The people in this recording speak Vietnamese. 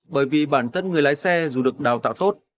bởi vì bản thân người lái xe dù được đào tạo tốt